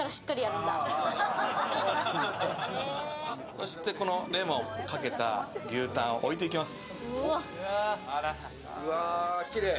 そしてレモンかけた牛たんを置いていきます。